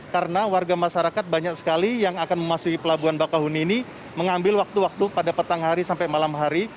karena warga masyarakat banyak sekali yang akan memasuki pelabuhan bakahun ini mengambil waktu waktu pada petang hari sampai malam hari